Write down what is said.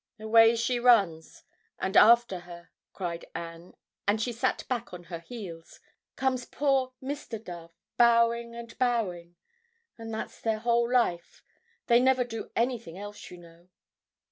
Away she runs, and after her," cried Anne, and she sat back on her heels, "comes poor Mr. Dove, bowing and bowing... and that's their whole life. They never do anything else, you know."